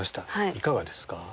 いかがですか？